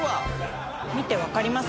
見て分かります？